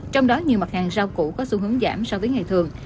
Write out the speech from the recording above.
trong đó nhiều mặt hàng rau củ có xu hướng giảm so với ngày thường